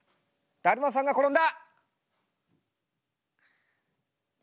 だるまさんが転んだ！